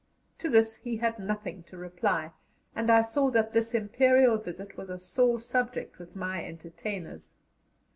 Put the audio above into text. To this he had nothing to reply, and I saw that this imperial visit was a sore subject with my entertainers.